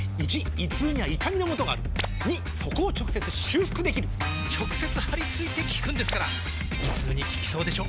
①胃痛には痛みのもとがある②そこを直接修復できる直接貼り付いて効くんですから胃痛に効きそうでしょ？